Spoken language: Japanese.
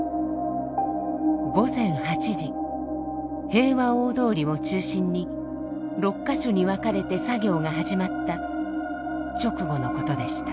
平和大通りを中心に６か所に分かれて作業が始まった直後のことでした。